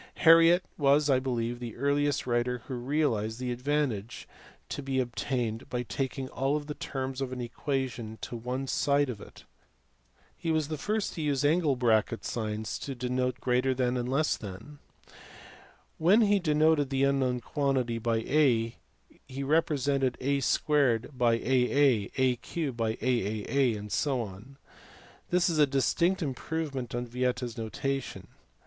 Harriot was I believe the earliest writer who realized the advantage to be obtained by taking all the terras of an equation to one side of it. He was the first to use the signs > and < to represent greater than and less than. When he denoted the unknown quantity by a he represented a 2 by aa, a* by aaa, and so on. This is a distinct improvement on Vieta s notation.